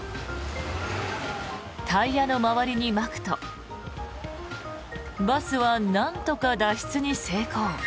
タイヤの周りにまくとバスはなんとか脱出に成功。